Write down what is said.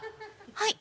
「はい。